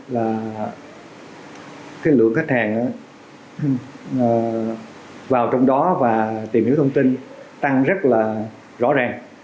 là cái lượng khách hàng vào trong đó và tìm hiểu thông tin tăng rất là rõ ràng